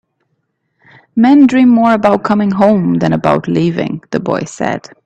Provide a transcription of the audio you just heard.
"Men dream more about coming home than about leaving," the boy said.